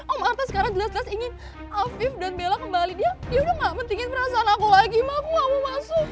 om arta sekarang jelas jelas ingin afif dan bella kembali dia udah gak pentingin perasaan aku lagi ma aku gak mau masuk